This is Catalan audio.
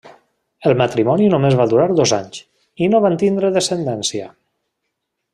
El matrimoni només va durar dos anys, i no van tindre descendència.